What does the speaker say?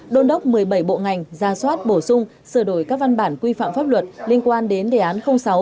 đôn đốc một mươi bảy bộ ngành ra soát bổ sung sửa đổi các văn bản quy phạm pháp luật liên quan đến đề án sáu